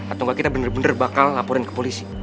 atau kita bener bener bakal laporin ke polisi